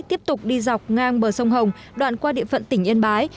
tiếp tục đi dọc ngang bờ sông hồng đoạn qua địa phận tỉnh yên bái